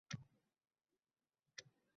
Shu do`xtir bolaning qo`li engil deydilar